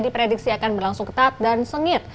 diprediksi akan berlangsung ketat dan sengit